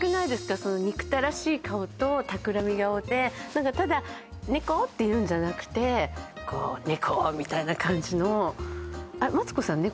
その憎たらしい顔とたくらみ顔で何かただネコっていうんじゃなくてこう「ネコ」みたいな感じのマツコさんネコ